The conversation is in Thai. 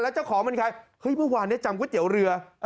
เจ้าของเป็นใครเฮ้ยเมื่อวานนี้จำก๋วยเตี๋ยวเรือ